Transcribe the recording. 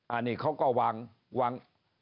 อันนี้เขาก็วางวาง